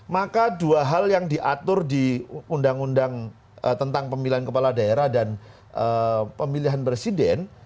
maka dua hal yang diatur di undang undang tentang pemilihan kepala daerah dan pemilihan presiden